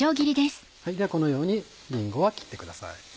このようにりんごは切ってください。